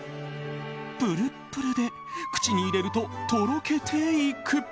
ぷるっぷるで口に入れるととろけていく。